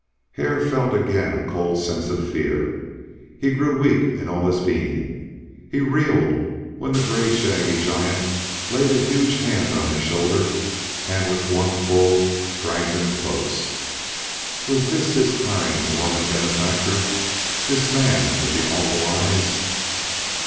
Hare felt again a cold sense of fear. He grew weak in all his being. He reeled when the gray shaggy giant laid a huge hand on his shoulder and with one pull dragged him close. Was this his kind Mormon benefactor, this man with the awful eyes?